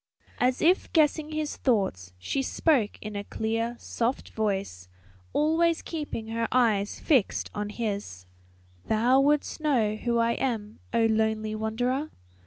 As if guessing his thoughts she spoke in a clear, soft voice, always keeping her eyes fixed on his, "Thou wouldst know who I am, O lonely wanderer?